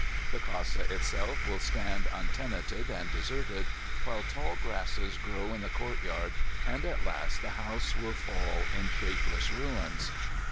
The casa itself will stand untenanted and deserted, while tall grasses grow in the courtyard, and at last the house will fall in shapeless ruins."